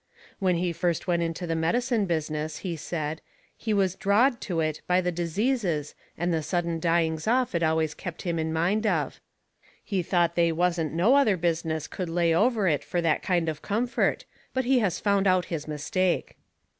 When he first went into the medicine business, he said, he was drawed to it by the diseases and the sudden dyings off it always kept him in mind of. He thought they wasn't no other business could lay over it fur that kind of comfort. But he has found out his mistake.